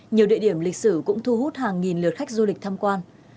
nhiều địa điểm lịch sử cũng thu hút hàng nghìn lượt khách du lịch tham quan